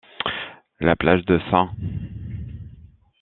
La plage de St.